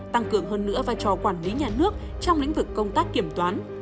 tăng cường hơn nữa vai trò quản lý nhà nước trong lĩnh vực công tác kiểm toán